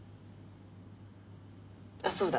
あっそうだ。